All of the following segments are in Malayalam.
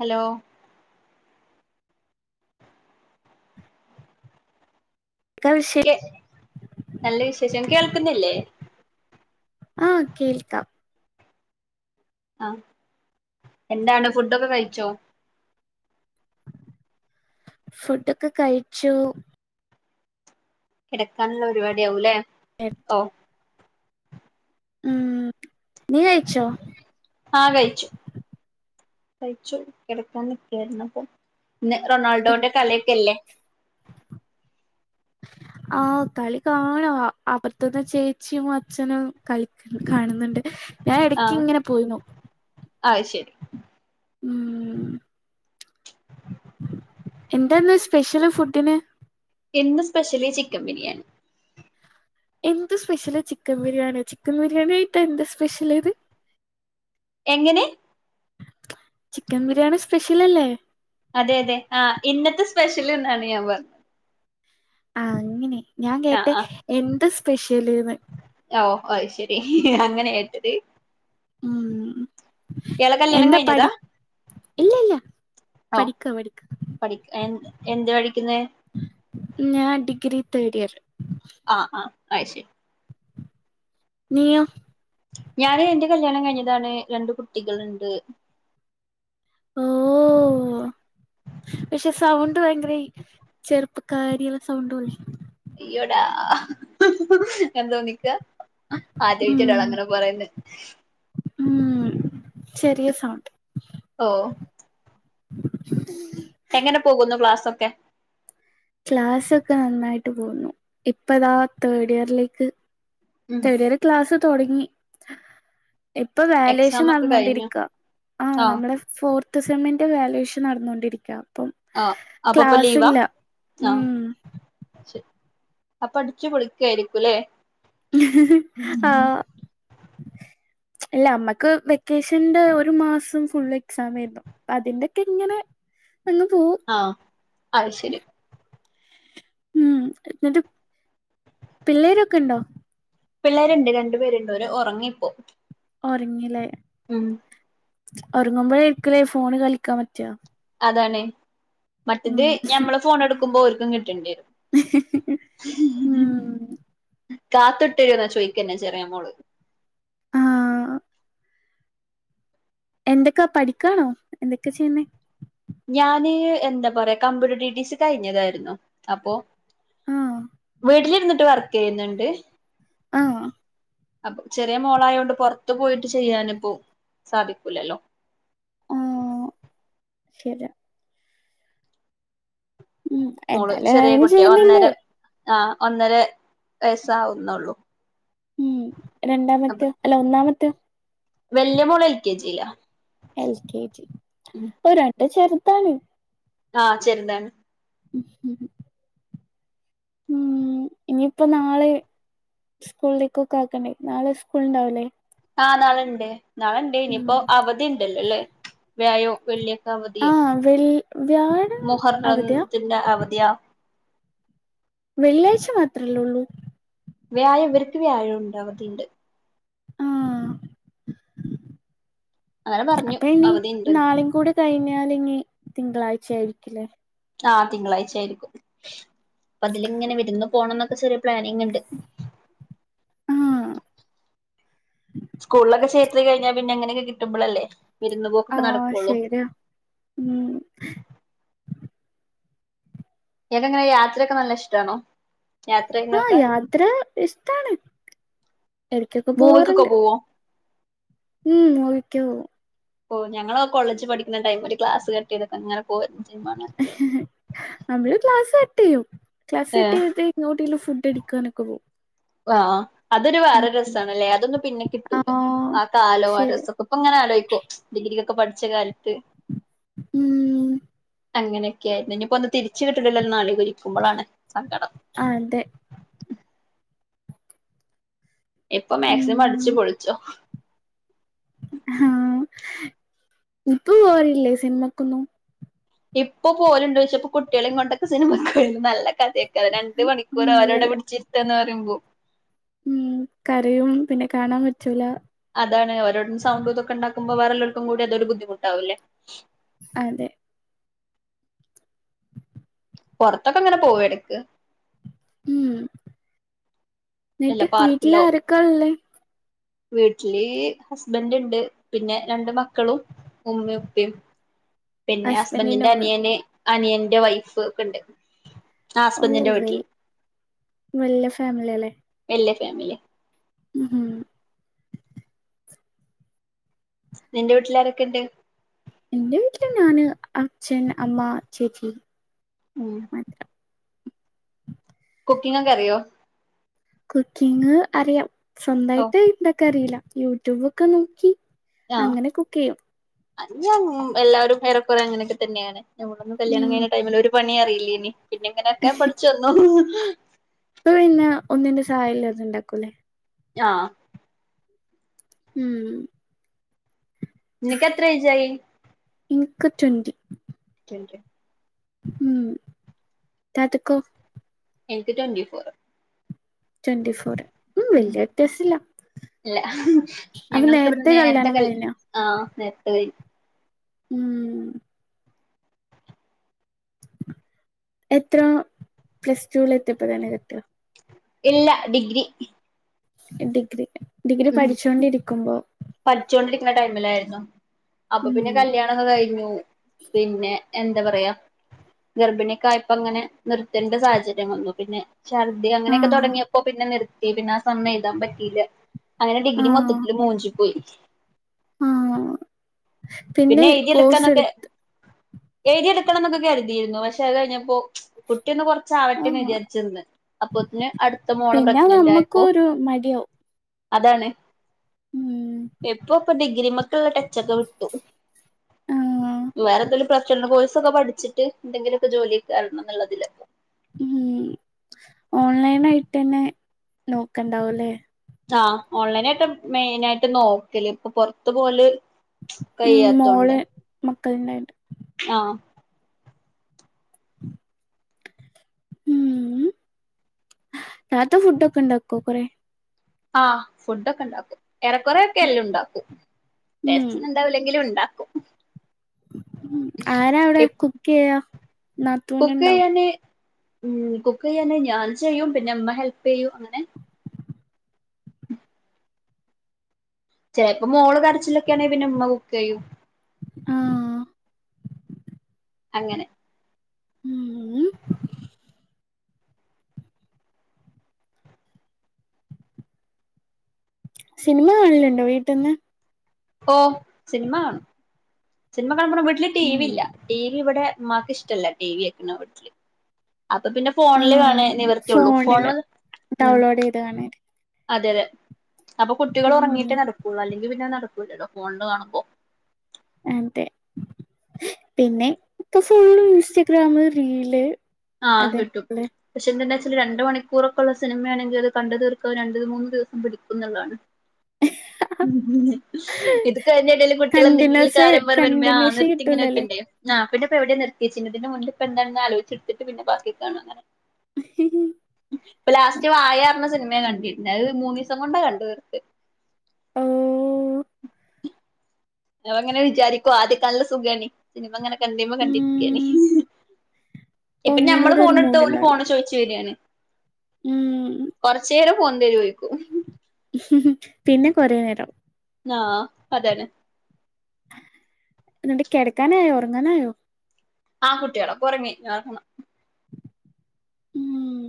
ഹലോ കേൾക്കാം പക്ഷേ ക്ക് നല്ല വിശേഷം കേൾക്കുന്നില്ലേ ആഹ് കേൾക്കാം ആ എന്താണ് ഫുഡൊക്കെ കഴിച്ചോ? ഫുഡൊക്കെ കഴിച്ചു- കെടക്കാനുള്ള ഒരുപാടി ആവൂല്ലേ? ഓ ഉം നീ കഴിച്ചോ? ആഹ് കഴിച്ചു കഴിച്ചു കെടക്കാൻ നിക്കായിരുന്നു അപ്പൊ ഇന്ന് റൊണാൾഡോന്റെ കളിയൊക്കല്ലേ ആഹ് കളി കാണുവാ അപ്പറത്തന്ന് ചേച്ചിയും അച്ഛനും കളിക്ക് കാണ്ന്ന്ണ്ട് ഞാൻ എടക്കിങ്ങനെ പോയിനു അയ്ശരി ഉം എന്താന്ന് സ്പെഷ്യല് ഫുഡിന് ഇന്ന് സ്പെഷ്യലി ചിക്കൻ ബിരിയാണി എന്ത് സ്പെഷ്യല് ചിക്കൻ ബിരിയാണിയൊ ചിക്കൻ ബിരിയാണിയായിട്ട് എന്ത് സ്പെഷ്യല്ത് എങ്ങനെ ചിക്കൻ ബിരിയാണി സ്പെഷ്യലല്ലേ അതെ അതെ ആ ഇന്നത്തെ സ്പെഷ്യല്ന്നാണ് ഞാൻ പറ്ഞ്ഞത് ആഹ് അങ്ങിനെ ഞാൻ ആഹ് കേട്ടെ ആഹ് എന്ത് സ് സ്പെഷ്യല്ന്ന് ഓ അയ്ശരി അങ്ങനെ കേട്ടത് ഉം ഇയാളെ കല്യാണം എന്താ കഴിഞ്ഞതാ പഠി ഇല്ലല്ല ഓ പഠിക്ക പഠിക്ക പഠിക്ക എന്ത് പഠിക്കുന്നേ? ഞാൻ ഡിഗ്രി തേർഡ് ഇയർ അയ്ശ നീയോ ഞാന് എൻ്റെ കല്യാണം കഴിഞ്ഞതാണ് രണ്ട് കുട്ടികളുണ്ട് ഓ ഇപ്പൊ കാര്യയിലെ സൗണ്ടോയി അയ്യോടാ എന്തോ നിക്ക ആദ്യായിട്ടാ ഉം ഒരാളങ്ങനെ പറയ്ന്നെ ണ്ട് ഓ [unintelligible] എങ്ങനെ പോകുന്നു ക്ലാസ്സൊക്കെ ക്ലാസ്സൊക്കെ നന്നായിട്ട് പോകുന്നു ഇപ്പതാ തേർഡ് ഇയറിലേക്ക് ഉം തേഡ് ഇയർ ക്ലാസ് തൊടങ്ങി ഇപ്പൊ വാലേഷൻ എക്സാം ഒക്കെ കഴിഞ്ഞു നടന്നോണ്ടിരിക്ക ആ നമ്മളെ ഫോർ ത്ത്സെമ്മിൻ്റെ വാലേഷൻ നടന്നോണ്ടിരിക്കാ ആഹ് അപ്പൊ ഇപ്പം ലീവാ ആ ഉം ശെ അപ്പൊ അടിച്ചു പൊളിക്കായിരിക്കുല്ലേ ആഹ ഇല്ല നമ്മക്ക് വെക്കേഷന്റെ ഒരു മാസം ഫുൾ എക്സാം ആരുന്നു അതിന്റയ് ഇങ്ങനെ- അങ്ങ് പോവും ആഹ അത് ശരി ഉം എന്നിട്ട് പിള്ളേരൊക്കെ ഉണ്ടോ പിള്ളേരുണ്ട് രണ്ടു പേരുണ്ട് ഉറങ്ങിപ്പോ ഉറങ്ങില്ലേ ഉം ഉറങ്ങുമ്പോഴേ ഇരിക്കലേ ഫോണ് കളിക്കാൻ പറ്റിയ അതാണ് മറ്റത് ഞമ്മള് ഫോൺ എടുക്കുമ്പോ കിട്ടണ്ടണ്ട് ഉം ഉ കാത്തിട്ടിഴുന്ന ചോയ്ക്ക്ന്നെ ചെറിയ മോള് ആഹ് എന്തൊക്കാ പഠിക്കാണോ എന്തൊക്കെ ചെയ്യുന്നേ ഞാന് എന്താ പറയാ കമ്പ്യൂട്ടർ ഡിറ്റിസിി കഴിഞ്ഞതായിരുന്നു അപ്പൊ ആഹ് വീട്ടിലി ഇന്ന് വർക്ക് ചെയ്യുന്നുണ്ട് ആഹ അപ്പൊ ചെറിയ മോളായോണ്ട് പുറത്തു പോയിട്ട് ചെയ്യാനിപ്പോ സാധിക്കൂലല്ലോ ആഹ് ശരി ഉം മോള് എന്തായാലും ചെറിയ ഏൺ കുട്ടിയ ഒന്നേര ചെയ്യുന്നില്ലേ ആഹ ഒന്നര വയസ്സ ആാവുന്നുള്ളൂ ഉം രണ്ടാമത്തെ അല്ല ഒന്നാമത്തെ പത്ത വെല്ലയ മോള് എൽ കെ ജില്ല എൽ കെ ജി ഒരു- എടെ ചെറുത്താണ് ആഹ ചെറിതാണ് ഉ ഉം ഇനിയിപ്പോ നാളെ സ്കൂളിലേക്ക്ക്കെ ആക്കണ്ടേ നാളെ സ്കൂള ഉണ്ടാവല്ലേ ആഹ് നാളുണ്ട് നാളുണ്ട് ഇനിയിപ്പോൊ അവധി ഉണ്ടല്ലോല്ലേ വ്യാഴോ, വെള്ളി അവധിയാ ആഹ് വെള്ളി വ്യാഴം അവധിയാ മുഹരത്തിന്റി അവധിയ വെള്ളിയാഴ്ച മാത്രമല്ലേള്ളൂ വ്യാഴം ഇവർക്ക് വ്യാഴം ഉണ്ട്, അവധിയുണ്ട്. ആഹ അങ്ങനെ പറഞ്ഞു അപ്പൊ ഇനി അവധിണ്ട്ന്ന് നാളും കൂടെ കഴിഞ്ഞാാല ഇനി തിങ്കളാഴ്ച്ചായിരിക്കുല്ലേ. ആ തിങ്കളാഴ്ച്ചാ യ്രിക്കും അപ്പ അതിലെങ്ങനെ വെരുന്നു. പോണംന്നൊക്കെ ചെറിയ പ്ലാനിങ് ണ്ട്. ആഹ് സ്കൂൾളൊക്കെ ചേർത്തി കഴിഞ്ഞാ പിന്നെങ്ങനെക്കെ കിട്ടുമ്പളല്ലേ വിരുന്ന് ആ പോക്കൊക്കെ നടക്കുള്ളൂ ശെര്യാ ഉം ഇയാൾക്കെങ്ങനെ യാത്രൊക്കെ നല്ല ഷ്ട്ടാണോ? ആ യാത്ര ഇഷ്ടാണ് എടക്കൊക്കെ മൂവിക്കൊക്കെ പോവാറ്ണ്ട്. ഉം ഓക്കെ ഒ ഓ ഞങ്ങളൊ കോളേജ് പഠിക്കുന്ന ടൈംമില് ക്ലാസ് കട്ടൈതൊക്കങ്ങനെ പോയിരുന്നു. നമ്മള് ക്ലാസ് ട്ടെയ്യും ക്ലാസ് കട്ടൈത്ട്ട് എങ്ങോട്ടേലും ഫുഡടിക്കാനൊക്കെ പോവും ആ ആ അതൊരു ഉം വേറെ ഉം രസാണ്ല്ലേ അതൊന്നും പിന്നെ ക്കിട്ടൂല ആഹ് ആ കാലോ ആ ശരി രസൊക്കെ ഇപ്പങ്ങനെ ആലോയ്ക്കും ഡിഗ്രി ഒക്ക പഠിച്ച കാലത്ത് ഉം അങ്ങനെയൊക്കെയായിരുന്നു ഇനി ഇപ്പോ ഒന്ന് തിരിച്ച കിട്ടില്ലോ നാളെ ഇരിക്കുമ്പോളാണ് സങ്കടം അതെ ഇപ്പൊ മാക്സിമം അടിച്ചു ഉം പൊളിച്ചോ ആ ഇപ്പൊ പോവാറില്ലേ സിനിമക്കൊന്നും ഇപ്പൊ പോവലുണ്ടു ചോദിച്ചപ്പോ കുട്ടികളും കൊണ്ടൊക്കെ സിനിമക്ക നല്ല കഥയാന് രണ്ട് ഉം മണിക്കൂർ നല്ല അവരോടെ പിടിച്ചിരുത്തുവാന് പറ- മ്പു [unintelligible] ഉം കരയും പിന്നെ കാണാൻ പറ്റൂല അതാണ് അവരവുടിരുന്നു സൗണ്ട് ഒക്കെ ഉണ്ടാക്കുമ്പോ വേറെലാ ർക്കും കൂടി അതരു ബുദ്ധിമുട്ടാവുംല്ലേ അതെ പുറത്തൊക്കെ അങ്ങനെ പോവുവ എടക്ക് ഉം വല്ല എന്നിട്ട് വീട്ടില പാർക്കിലോ ആരൊക്കായാ ഉള്ളേ വീട്ടില് ഹസ്ബൻഡ് ഉണ്ട് പിന്നെ രണ്ട് മക്കളും ഉമ്മയു ഉപ്പയും പിന്നെ ഹസ്ബൻഡിന്റെ ഹസ്ബൻടിന്റ് ഉമ്മ അനിയന് അനിയന്റെ വൈഫ് ഒക്കെ ഉണ്ട് ആ ഹസ്ബന്റിന്റെ വീട്ടിൽ നല്ല ഫാമിലി അല്ലേ നല്ലഫാമിലി ഹു ഹും നിന്റെ വീട്ടില ആാരൊക്കെണ്ട്. എന്റെ വീട്ടില് ഞാന് അച്ഛൻ അമ്മ ചേച്ചി. ഉം. കുക്കിങ്ങക്കറിയോ കുക്കിങ് അറിയാം. ഓ സ്വന്തമായിട്ട് ഇണ്ടാക്ക അറിയില്ല. യൂട്യൂബ് ഒക്കെ നോക്കി ആഹ് അങ്ങനെ കുക്ക് ചെയ്യും. ഞാൻ എല്ലാവരും ഏറെക്കുറെ അങ്ങനൊക്കെ തന്നെയാണ്. മ്മളൊന്ന് കല്യാണം ഉം കഴിഞ്ഞ ടൈമിലൊരു പണി അറിയില്ലനി. പിന്നെ ഇങ്ങനെയൊക്കെ പഠിച്ച വന്നു. ഇപ്പ പിന്നെ ഒന്നിന്റെ സഹായല്ല തെ ഇണ്ടാക്കൂല്ലേ. ആഹ്. ഉം. നിനക്കെത്ര ഏജായി ഇനിക്ക് ട്വന്റി. Thank U. ഉം താത്തക്കോ എനിക്ക് ട്വന്റിി ഫോർ. ട്വന്റി ഫോർ ഉ ഉം വല്യ വ്യത്യാസില്ല ഇല്ല അപ്പ ഞങ്ങൾക്ക് ഇവിടെ നേരത്തെ കല്യാണം കൽ കഴിഞ്ഞ. ആഹ് [inaudible] ഉം. എത്ര പ്ലസ് ടുൽ എത്തിയപ്പോ തന്നെ കെട്ടുക. ഇല്ല ഡിഗ്രി. ഡിഗ്രി. ഡിഗ്രി ഉം പഠിച്ചോണ്ടിരിക്കുമ്പോ പഠിച്ചോണ്ടിരിക്കുന്ന ടൈമിലായിരുന്നു. അപ്പൊ ഉം പിന്നെ കല്യാണംക്കെ കഴിഞ്ഞു പിന്നെ എന്താ പറയാ ഗർഭിണയക്കായപ്പോ അങ്ങനെ നിർത്തേണ്ട സാഹചര്യം വന്നു പിന്നെ ഛർദ്ദി അങ്ങനെയൊക്കെ ആഹ് തുടങ്ങിയപ്പോ പിന്നെ നിർത്തി പിന്നെ ആ സമ് എഴുതാൻ പറ്റീയില്ല. അങ്ങനെ ഡിഗ്രി ആഹ് മൊത്തത്തില്ൽ മൂഞ്ചി പോയി. ആഹ് പിന്നെ കോഴസ് എടുത്ത് എഴുതിടുക്കണം എന്നൊക്കെ കരുതിയിരുന്നു പക്ഷേത് കഴിഞ്ഞപ്പോ കുട്ടി ഒന്ന് കൊറച് ആവട്ടേ ആഹ് വിചാരിച്ചിന്ന് അപ്പൊ പിന് അടുത്ത മോള് പിന്നെ പ്രഗ്നന്റ് ആയപ്പോ നമ്മക്കും ഒരു മടിയാവും അതാണ്. ഉം എപ്പൊ പ ഗ്രരിമത്ത് ടച്ചൊക്കെ വിട്ടു. ആഹ് വേറെ പ്രശന്നകോഴ്സൊക്കെ പഠിച്ചിട്ട് എന്തെങ്കിലൊക്കെ ജോലി കേറണം ന്നുള്ളതിലപ്പോ ഉ ഓൺലൈൻ ആയിട്ട്ന്നെ നോക്കണ്ടാവല്ലേ ആഹ ഓൺലൈന ആയിട്ട് മെയിനാ യിട്ട് നോക്കല് ഇപ്പൊ പൊറത്ത് പോവല് ഉം കൈയത്തോണ്ട് മോള് [unintelligible] ആഹ ഉം താത്ത ഫുഡക്കെ ഉണ്ടാക്കോ കൊറെ ആഹ ഫുഡ ഒക്കെ ഉണ്ടാക്കും ഏറെക്കുെ റെ ഒക്കെ എല്ലാം ഉണ്ടാക്കും ഉം ടെസ്റ്റ ഉണ്ടാവില്ലെങ്കിലും ഉണ്ടാ ആരാ അവിടെ കുക്ക് യ്യ നാത്തൂന് ഉണ്ടാവും ഉ കുക്ക് ചെയ്യാന ഞാൻ ചെയ്യും പിന്നെ ഇമ്മ ഹെൽപ് ചെയ്യും അങ്ങനെ ഉ ചില ഇപ്പ മോള് കരച്ചിലൊക്കെയാണെ പിന്നെ ഉമ്മ കുക്ക് ചെയ്യൂ ആഹ അങ്ങനെ ഉം സിനിമ കാണലുണ്ടോ വീട്ടന്ന് ഓ സിനിമ കാണുംസിനിമ വീട്ടില് ടി ഉം വി ഇല്ല ടി വി ഇവിടെ മാക്കിഷ്ടല്ല ടി വി വെക്ക്ണ വീട്ടില് അപ്പൊ പിന്നെ ഫോണില് വണേ നിവർത്തിയള്ളൂ ഫോണില് ഉ ഡൗൺലോഡ് ചെയ്ത് കാണാൻ അതെ അതെ അപ്പൊ കുട്ടികൾ ഉം ഉറങ്ങിയിട്ടേ നടക്കുള്ളൂ അല്ലെങ്കിൽ പിന്ന നടക്കൂലടോ ഫോണില് കാണുമ്പോ അത പിന്നെ ഇപ്പൊ ഫോ ഇൻസ്റ്റഗ്രാമ റീല് ആഹ കിട്ടും അതന്നെല്ലേ പക്ഷെന്താ രണ്ട്മണിക്കൂറൊക്കെള്ള സിനിമയാണെങ്കിൽ അത് കണ്ടു തീർക്കാ രണ്ട മൂന്ന്ു ദിവസം പിടിക്കുന്നുതാണ് ഉ ഇത് കഴിഞ്ഞട്ടും കുട്ടികൾ എന്തെങ്കിലും കണ്ടിന്യൂസ് കാരം പറ വരുമ്പേ ആ് കണ്ടിന്യൂഷൻ നിർത്തി ഇങ്ങനെയൊക്കെ കിട്ടൂലല്ലേ ഉണ്ടേ ആ എവിടെ നിർത്തിച്ചതിന്റെപ ഇപ്പ എന്തണെന്ന് ആലോിച്ചെടുത്തിട്ട് പിന്നെ ബാക്കി കാണണെ ലാസ്റ്റ് വാഴറിഞ്ഞ സിനിമ കണ്ടിത് മൂന്ന് ദിവസം കൊണ്ടാ കണ്ടു തിർത്ത് ആ അത് അങ്ങനെ വിചാരിക്കോ ആദ്യക്കെ നല്ല സുഖായിണി പിന്നിതങ്ങനെ കണ്ടിമ്മ ഉം കണ്ടിരിക്കാണ് ഇപ്പൊ ഞമ്മള് ഒന്നിനോട് ഒരു ഫോണ് എടുത്ത മൂഡ് ഓർ ഫോൺ ഉണ്ടാവില്ല ചോദിച്ചു വരിയാണ് ഉം കൊറച്ചേറെ ഫോൺ തരോ പോയിക്കും പിന്നെ കൊറെ നേരം ആ അതന്നെ എന്നിട്ട് കിടക്കാന് ആയോ ഉറങ്ങാനായോ ആ കുട്ടികളൊക്ക ഉറങ്ങി ഇനി ഉം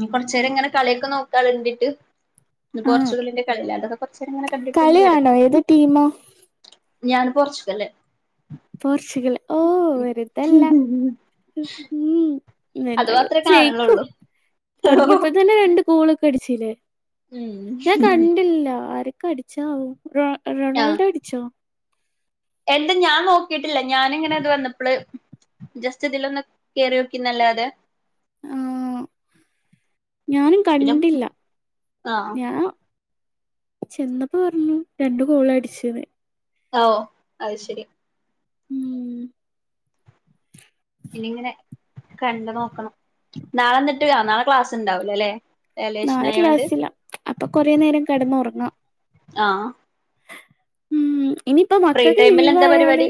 ന കൊറച്ച് നേരം ഇങ്ങനെ കളിയൊക്കെ നോക്കാൻ വേണ്ടിട്ട് ഇ ആഹ് പോർച്ചുഗലിന്റെ കളി അതൊക്കെ കൊറച്ചു നേരം ഇങ്ങനെ കണ്ടിട്ട് ഇനി കളിയാണോ കിടക്കും ഏത് ടീമാ ഞാന് പോർച്ചുഗല് പോർച്ചുഗൽ ഓ വെറുതല്ല ഉം ഉം ഇന്ന് അത് എന്തായാലും മാത്രമേ ജയിക്കും കാണുന്നുള്ളൂ തുടങ്ങിയപ്പോ തന്നെ രണ്ട് ഗോള് അടിച്ചില്ലേ ഉം ഞാൻ കണ്ടില്ല ആര ആടിച്ച റൊ റൊണാൾഡോ അടിച്ചോ എന്ത് ഞാൻ നോക്കിട്ടില്ല ഞാനിങ്ങനെ ഇത് വന്നപ്പോള് ജസ്റ്റ് ഇതിലൊന്ന് കേറി നോക്കി എന്നല്ലാതെ ആ ഞാനും പിന്നെ കണ്ടില്ല ആഹ് ഞാൻ ചെന്നപ്പോ പറഞ്ഞു രണ്ടു ഗോള് അടിച്ചിന്ന് ഓ അത് ശരി ഉം പിന്ന ഇങ്ങനെ കണ്ട് നോക്കണം നാളെ എന്നിട്ട് ആ നാളെ ക്ലാസുണ്ടാവലോ അല്ലേ നാളെ ക്ലാസ്സില്ല അപ്പൊ കൊറേ നേരം കിടന്ന് ഉറങ്ങാം ആ ഇനിയിപ്പ ഫ്രീ മക്കൾക്ക് ടൈമിൽ ലീവ് എന്താ ആയാല് പരിപാടി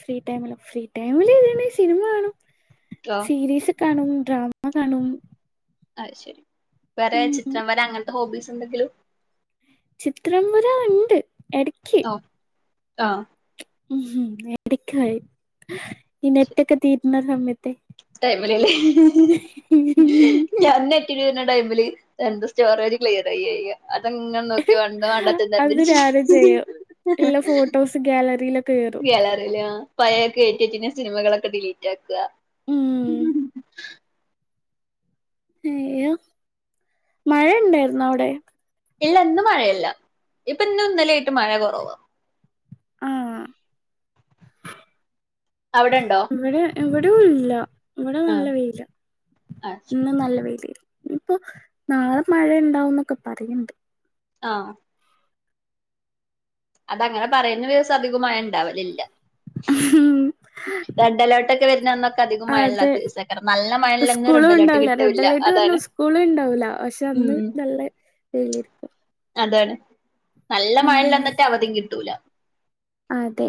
ഫ്രീ ടൈമ ഫ്രീ ടൈമില് ഇത് തന്നെ സിനിമ കാണും ഓ സീരീസ് കാണും ഡ്രാമ മ കാണും അ ശരി വേറെ ഉം ചിത്രം വരെ അങ്ങനത്തെ ഹോബീസ് എന്തെങ്കിലും ചിത്രം വര ഉണ്ട് എടക്ക് ഓ ആ ഉം എടക്കായി ഈ നെറ്റൊക്കെ തീ ന സമ്യത്തെ ൈല്ലേ ഞൻ രുന്ന ടൈമില് എ സ്റ്റോർര് ക്ലിയർയയ്യ അതെങ്ങെ നോക്കി വാണ്ടെ വാണ്ടാത്തേ അത് തെര്ഞ്ട്ച് രാവിലെ ചെയ്യും ഇല്ല ഫോട്ടോസ് ഗാലറിയിലൊക്കെ കേറും ഗ്യാലറിയില് ആ പയേക്കേറ്റിചീനെ സിനിമകളൊക്കെ ഡിലീ റ്റാക് ക ഉം അയ്യോ മഴ ഇണ്ടായ്ര്ന്നോ അവിടെ ഇല്ല ഇന്ന് മഴയല്ല ഇപ്പൊ ഇന്ന് ഇന്നലായിട്ട് മഴ കുറവ ആഹ അവിടെ ഉണ്ടോ ഇവിടെ എവിട് ല്ല ഇവിടെ നല്ല ആഹ് വെയില ഇന്നും നല്ല വെയില് ഇനിപ്പൊ നാളെ മഴ ണ്ടാവുന്നൊക്കെ പറിണിണ്ട് ആഹ അതങ്ങനെ പറയുന്ന ദിവസം അധികമായ ഉണ്ടാവലില്ല ഉം റെഡ് അലേർട്ട് ഒക്കെ വരുന്ന അന്നൊക്കെ അധികം മഴയുള്ള അതെ ദിവസേക്കാരം നല്ല മഴയുള്ള അന്ന് റെഡ് സ്കൂളും അലേർട്ട് ഇണ്ടാവില്ല റെഡ് കിട്ടൂല്ല അലേർട്ട് പറഞ്ഞ അതാണ് സ്കൂളും ഇണ്ടാവല പക്ഷെ അന്ന് ഉം നല്ല വയിലരിക്കും അതാണ് നല്ല മഴള്ള്ന്നറ്റെ അവധിും കിട്ടൂല അതെ